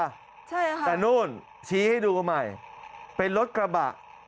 ใช่ค่ะแต่นู่นชี้ให้ดูใหม่เป็นรถกระบะ